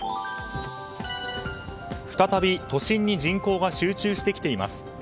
再び都心に人口が集中してきています。